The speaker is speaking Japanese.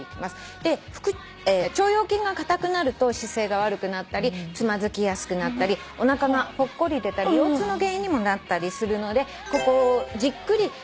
で腸腰筋が硬くなると姿勢が悪くなったりつまずきやすくなったりおなかがぽっこり出たり腰痛の原因にもなったりするのでここをじっくりゆっくり。